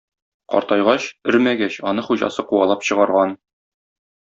Картайгач, өрмәгәч, аны хуҗасы куалап чыгарган.